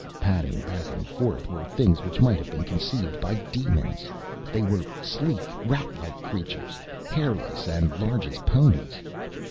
Padding back and forth were things which might have been conceived by demons. They were sleek, rat like creatures, hairless, and large as ponies.